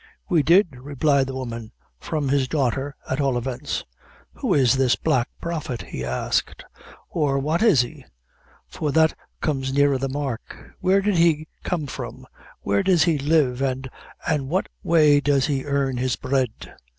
"We did," replied the woman, "from his daughter, at all events." "Who is this Black Prophet?" he asked; "or what is he? for that comes nearer the mark. Where did he come from, where does he live, an' what way does he earn his bread?"